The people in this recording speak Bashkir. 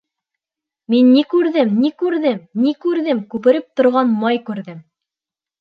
Мин ни күрҙем, ни күрҙем, ни күрҙем, күпереп торған май күрҙем.